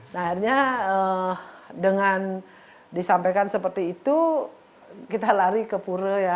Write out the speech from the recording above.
nah akhirnya dengan disampaikan seperti itu kita lari ke pura ya